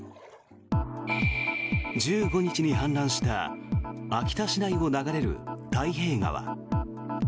１５日に氾濫した秋田市内を流れる太平川。